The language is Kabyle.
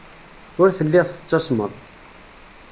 Ur telliḍ tettasmeḍ.